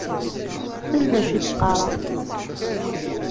Sel d acu i d-qqareɣ.